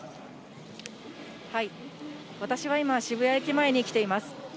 私は今、渋谷駅前に来ています。